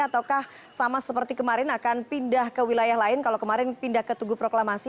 ataukah sama seperti kemarin akan pindah ke wilayah lain kalau kemarin pindah ke tugu proklamasi